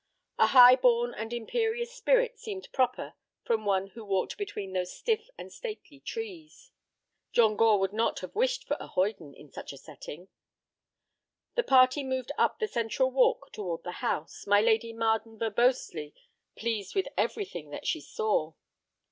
A high born and imperious spirit seemed proper from one who walked between those stiff and stately trees. John Gore would not have wished for a hoyden in such a setting. The party moved up the central walk toward the house, my Lady Marden verbosely pleased with everything that she saw.